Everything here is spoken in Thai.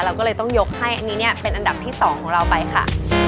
เราก็เลยต้องยกให้อันนี้เนี่ยเป็นอันดับที่๒ของเราไปค่ะ